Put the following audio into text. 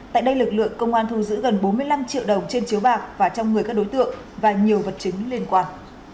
tại đây lực lượng công an thu giữ gần bốn mươi năm triệu đồng trên chiếu bạc và trong người các đối tượng và nhiều vật chứng liên quan